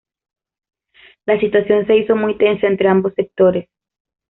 La situación se hizo muy tensa entre ambos sectores.